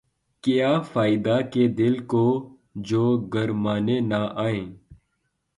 کیا فائدہ کہ دل کو جو گرمانے نہ آئیں